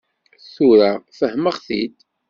Tura fehmeɣ-t-id.